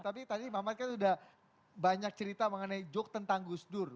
tapi tadi mamat kan sudah banyak cerita mengenai joke tentang gus dur